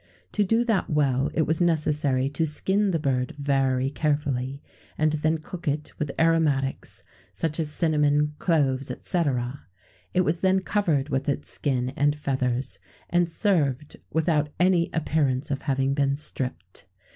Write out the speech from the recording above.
To do that well, it was necessary to skin the bird very carefully, and then cook it with aromatics, such as cinnamon, cloves, &c. It was then covered with its skin and feathers, and served without any appearance of having been stripped.